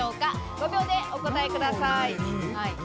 ５秒でお答えください。